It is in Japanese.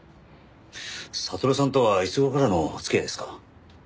悟さんとはいつ頃からのお付き合いですか？